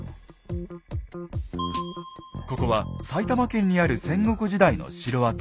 ここは埼玉県にある戦国時代の城跡。